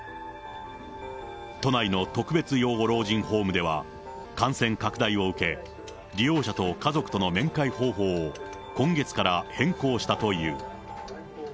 都内の特別養護老人ホームでは、感染拡大を受け、利用者と家族との面会方法を、今月から変更したという。